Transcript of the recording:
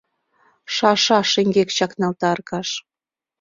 — Ша-ша-ша... — шеҥгек чакналта Аркаш.